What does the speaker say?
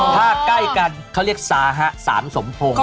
ถ้าใกล้กันเขาเรียกสาหะ๓สมพง